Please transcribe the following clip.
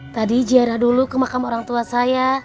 tadi ziarah dulu ke makam orang tua saya